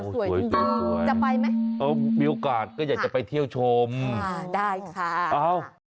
สวยจะไปไหมมีโอกาสก็อยากจะไปเที่ยวชมได้ค่ะเอา